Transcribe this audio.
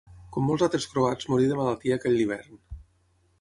Com molts altres croats morí de malaltia aquell l'hivern.